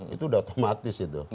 itu sudah otomatis itu